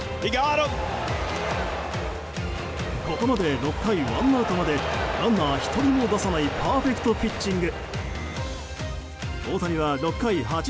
ここまで６回ワンアウトまでランナー１人も出さないパーフェクトピッチング。